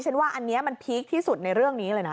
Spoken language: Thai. ฉันว่าอันนี้มันพีคที่สุดในเรื่องนี้เลยนะ